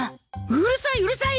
うるさいうるさい！